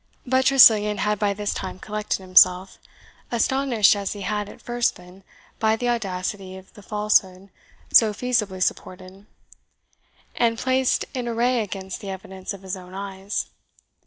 But Tressilian had by this time collected himself, astonished as he had at first been by the audacity of the falsehood so feasibly supported, and placed in array against the evidence of his own eyes.